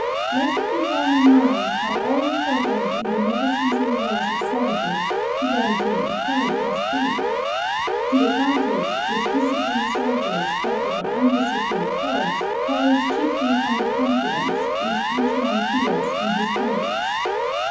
Let it be borne in mind how all important in the never ceasing wars of savages, fidelity and courage must be. The advantage which disciplined soldiers have over undisciplined hordes follows chiefly from the confidence which each man feels in his comrades.